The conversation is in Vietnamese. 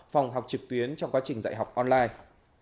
phòng học trực tuyến trong quá trình dạy học online